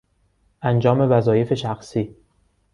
انجام وظایف شخصی